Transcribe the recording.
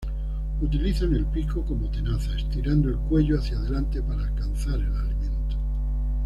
Utilizan el pico como tenaza, estirando el cuello hacia delante para alcanzar el alimento.